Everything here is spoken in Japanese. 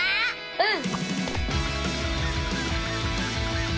うん！